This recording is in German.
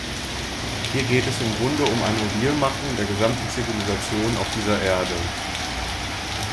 Hier geht es im Grunde um eine Mobilmachung der gesamten Zivilisation auf dieser Erde.